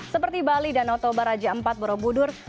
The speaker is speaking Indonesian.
seperti bali dan ottawa raja iv borobudur